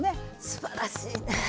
すばらしいね。